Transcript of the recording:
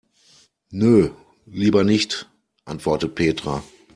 Nö, lieber nicht, antwortet Petra.